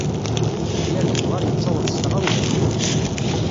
Yir lexber yettaweḍ s tɣawla.